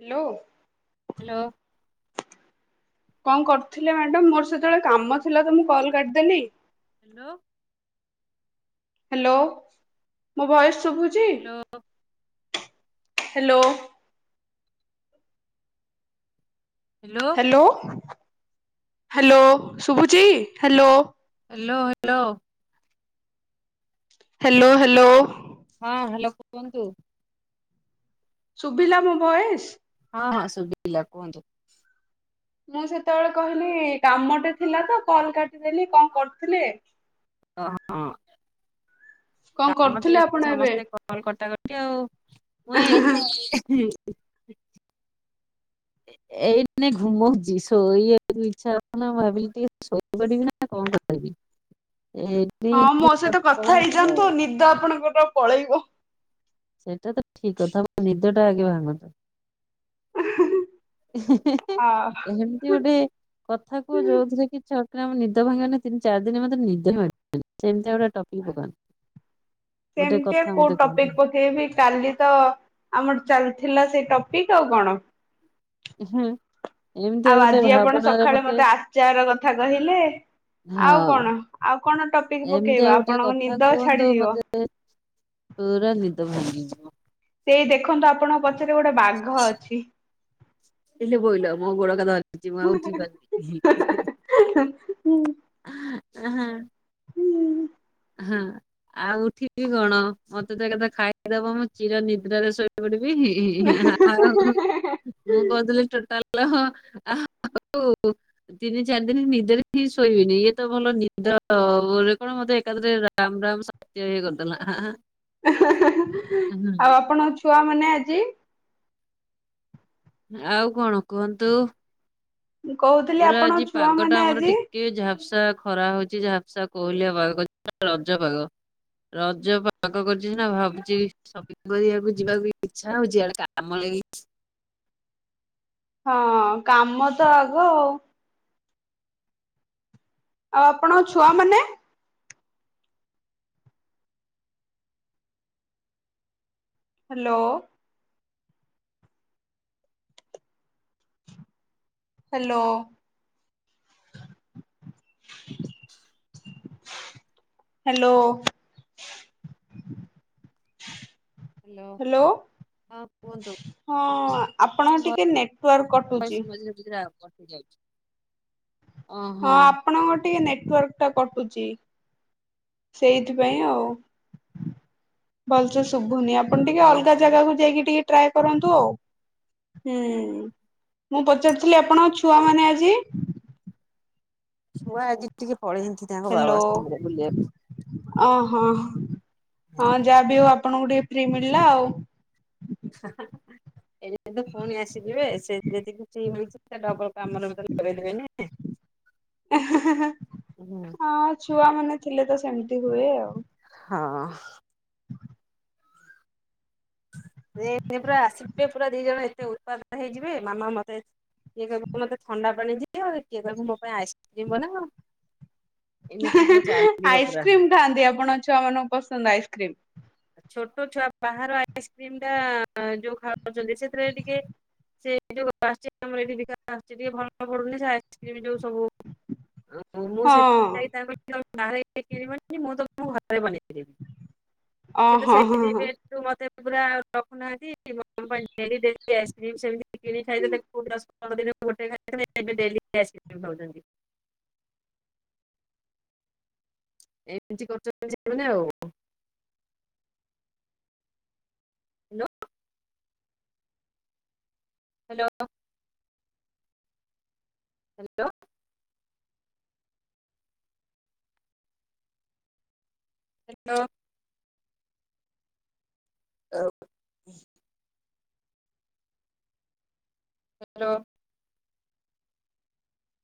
Hello. Hello. କଣ କରୁଥିଲେ madam ମୋର ସେତେବେଳେ କାମ ଥିଲା ତ ମୁଁ କଲ କାଟିିଦେଲି ହ୍ୟାଲୋ ହ୍ୟାଲୋ ମୋ ଭଏସ ଶଭୁଛି। Hello hello hello. ହ୍ୟାଲୋ ଶୁଭୁଛି hello. Hello hello. Hello hello. ହଁ ହ୍ୟାଲୋ କୁହନ୍ତୁ। ଶୁଭିଲା ମୋ ବଏସ ହଁ ହଁ ଶୁଭା କୁହନ୍ତୁ। ମୁଁ ସେତେବେଳେ କହିଲି କାମଟେ ଥିଲା ତ କଲ କାଟିଦେଲି କଣ କରୁଥିଲେ। ହ ହ ହଁ କଣ କାମ କରୁଥିଲେ ଥିଲେ ଆପଣ ଏବେ ସମସ୍ତେ କଲ୍ କରତା ଯାଅ। ହଁ [inaudible] ଏଇ ଘୁମ ଯ ସୋଇ ଇଚ୍ଛାଁ ଭାବିଲି ଟିକେ ସୋଇ ପାରିବି ନା କଣ କରିିବି। ହଁ ମୋ ସହିତ କଥା ଆଉ। ହେଇଯାଆନ୍ତୁ ନିଦ ଆପଣଙ୍କର ପଳେଇବ। ସେଇଟା ତ ଠିକ କଥା ନିଦ ଟା ଆଗେ ଭାଙ୍ଗନ୍ତୁ। [inaudible] ଏମିତି ଗୋଟେ କଥା କୁ ଆ ଯୋଉଥିରେ କି। ନିଦ ଭାଙ୍ଗିବାନ ତିନ ଚାରି ଦିନ ମ ନିଦ ଭ ସେମିତି ଗୋଟେ ଟପି ପ ସେମତି କୋଉ ଟପିକ ପକେଇବି କାଲି ତ ଆମର ଚାଲିଥିଲା ସେଠ ଟପିକ୍ ଆଉ କଣ। ହୁଁ ଆଉ ଆଜି ଆପଣ ସକାଳେ ମତେ ଆଚାର କଥା କହିଲେ ହଁ ଆଉ କଣ ଆଉ କଣ ଟପିକ ଏମିତିଆ ପକେଇବା ଗୋଟେ ଆପଣଙ୍କ କଥା ନିଦ କୁହନ୍ତୁ ଛାଡିଯିବ। ଭି ଏଇ ଦେଖନ୍ତୁ ଆପଣ ପ ଗୋଟେ ବାଘ ଅଛି। ବୋଇଲ ମୋ ଗୋଡ କ ସେ ମୁ ଉଠି ପାର ଓ ହଁ ହଁ ଆଉ ଉଠିବି କଣ ମତେ ତ ଏକଥା ଖାଇଦବ ମୁୋ ଚିର ନିଦ୍ରାରେ ଶୋଇ ପଡିବ। ମୁଁ କହୁଥିଲି ଟୋଟାଲ ହଁ ହଉ ତିନି ଚାରି ଦିନ ନିଦରେ ହି ଶୋଇବିନି ଇଏ ତ ଭଲ ନିଦରେ କଣ ମତେ ଏକାଦରେ ରାମ ରାମ ସତ୍ୟା ହେ କରିଦେଲା। ଆଉ ଆପଣ ଅ ଛୁଆମାନେ ଆଜି ଆଉ କଣ କୁହନ୍ତୁ? ମୁଁ କହୁଥିଲି ଆପଣଙ୍କ ଛୁଆ ମାନେ ଆଜି। ବର୍ଷା ଖରା ହଉଛି ଝାପସା କୋହଲିଆ ରଜ ପାଗ ରଜ ପାଗ କରିଛି ସିନା ଭାବୁଛି ସପିଙ୍ଗ କରିବାକୁ ଯିବାକୁ ଇଛା ହଉଛିଡ କାମ ଲ ହଁ କାମ ତ ଆଗ ଆଉ। ଆଉ ଆପଣଙ୍କ ଛୁଆ ମାନେ? ହ୍ୟାଲୋ। ହ୍ୟାଲୋ। ହ୍ୟାଲୋ ହ୍ୟାଲୋ ହଁ କୁହନ୍ତୁ ହଁ କାଇଁ ଆପଣଙ୍କ ଟିକେ ନେଟୱାର୍କ କଟୁଛି। ପ ଯାଇଛି। ହଁ ଆପଣଙ୍କ ଟିକେ ନେ ନେଟୱାର୍କ କଟୁଛି ସେଇଥିପାଇଁ ଆଉ ଭଲ ଶୁଭୁନି ଆପଣ ଟିକେ ଅଲଗା ଓହୋ ଜାଗାକୁ ଯାଇକିି ଟିକେ ଟ୍ରାଏ କରନ୍ତୁ ଆଉ ହୁ ମୁଁ ପଚାରୁଥିଲି ଆପଣ ଛୁଆ ମାନ ଆଜି। ଛୁଆ ଆଜି ଟି ପଳେଇ ଏତି ତାଙ୍କ ହ୍ୟାଲୋ ବାବା ସାଙ୍ଗରେ ବୁଲ ଓହୋ। ହଁ ଯାହା ବି ହୋଉ ଆପଣଙ୍କୁ ଟିକେ ଫ୍ରି ମିଳିଲା ଆଉ। [inaudible] କିନ୍ତୁ ପୁଣି ଆସିଯିବେ ସେ ଯଦି କିଛି ମିଳିଛି ସେ ଡବଲ କାମରେ ଭି କରିଦେବେନି। ଆଁ ଛୁଆ ମାନେ ଥିଲେ ତ ସେମିତି ହୁଏ ଆଉ। ହଁ। ସେ ପୁରା ଆସିବେ ପୁରା ଦି ଜଣ ଏତେ ଉତ୍ପାଦ ହେଇଯିବେ ମାମା ମତେ କିଏ କହିବ ମତେ ଥଣ୍ଡା ପାଣି ଦି କିଏ କହିବୁ ମୋ ପାଇଁ ଆଇସ୍କ୍ରିମ ବନା ଅ। ଆଇସ୍କ୍ରିମ ଖାଆନ୍ତି ଆପଣ ଛୁଆ ମାନଙ୍କୁ ପସନ୍ଦ ଆଇସ୍କ୍ରି। ଛୋଟ ଛୁଆ ବାହାର ଆଇସ୍କ୍ରିମ ଟା ଯୋଉ ଖାଉଛନ୍ତି ସେଥିରେ ଟିକେ ସେ ଯୋଉଠିାିକେ ଭଲ ପଡୁନି ସେ ଆଇସ୍କ୍ରିମ ଯୋଉ। ମୁଁ ହଁ। ସେଥିପାଇଁ [unintelligible] ଯାଇ ମୁଁ ମୁଁ ଘରେ ବନେଇକି ଦେବି। ଅ ସେ ତ ହଁ ସେଇ ହଁ ହଁ ଯିବୁ ମତେ। ପ ରଖୁନାହାନ୍ତି କି ଖାଇଲେ ଦଶ ପନ୍ଦ ଦିନ ଗୋଟେ ଖାଇ ଏ ଡାଉ [inaudible] ଏମତି କରୁଛନ୍ତି ସେମାନେ ଆଉ। Hello hello hello. ହାଲୋ। ଆଉ। ହାଲୋ।